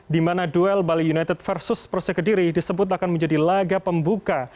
di mana duel bali united versus persekediri disebut akan menjadi laga pembuka